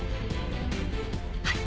はい。